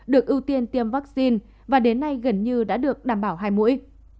được ưu tiên tiêm vaccine và đến nay gần như đã được đảm bảo hai mũi